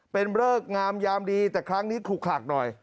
เป็นเลิกงามยามดีแต่ครั้งนี้คลุกขลักหน่อย